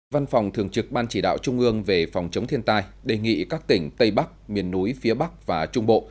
văn phòng thường trực ban chỉ đạo trung ương về phòng chống thiên tai đề nghị các tỉnh tây bắc miền núi phía bắc và trung bộ